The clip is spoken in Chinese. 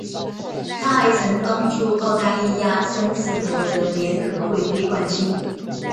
她还曾帮助澳大利亚三次夺得联合会杯冠军。